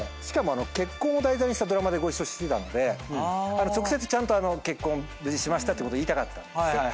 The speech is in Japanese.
しかも結婚を題材にしたドラマでご一緒してたので直接結婚無事しましたってことを言いたかったんです。